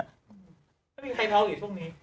ไม่มีใครท้องอีกช่วงนี้